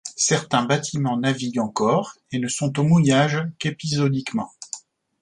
Certains bâtiments naviguent encore et ne sont au mouillage qu'épisodiquement.